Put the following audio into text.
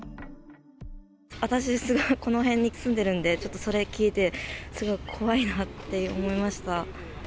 私、この辺に住んでるんで、ちょっとそれ聞いて、すごい怖いなって思いました。